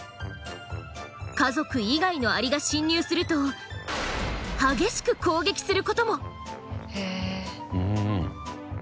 家族以外のアリが侵入すると激しく攻撃することも。